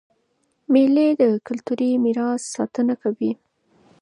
مېلې د کلتوري میراث ساتنه کوي.